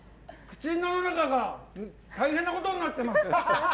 口の中が大変なことになってます！